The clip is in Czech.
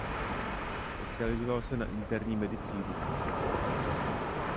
Specializoval se na interní medicínu.